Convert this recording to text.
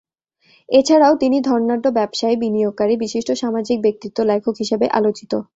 এছাড়াও তিনি একজন ধনাঢ্য ব্যবসায়ী, বিনিয়োগকারী, বিশিষ্ট সামাজিক ব্যক্তিত্ব, লেখক হিসেবে আলোচিত।